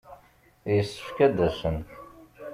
Yessefk ad d-asen.